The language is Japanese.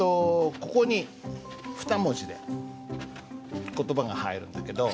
ここに二文字で言葉が入るんだけど。